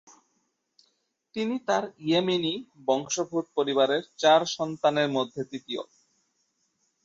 তিনি তার ইয়েমেনি বংশোদ্ভুত পরিবারের চার সন্তানের মধ্যে তৃতীয়।